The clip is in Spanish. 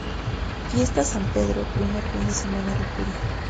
Fiestas San Pedro, primer fin de semana de Julio.